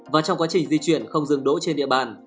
và trong quá trình di chuyển không dừng đỗ trên địa bàn